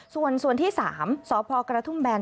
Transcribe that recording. ส่วนส่วนที่๓สพกระทุ่มแบน